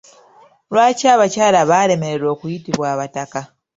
Lwaki abakyala baalemererwa okuyitibwa abataka?